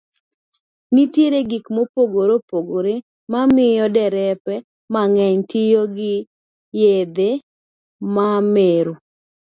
Nitie gik mopogore opogore mamiyo derepe mang'eny tiyo gi yedhe mamero.